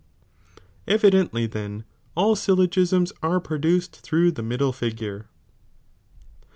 Evidently then all syllogisms are produced through the middle figure.